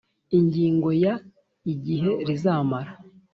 Ingingo ya igihe rizamara